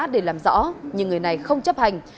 để làm rõ nhưng người này không chấp hành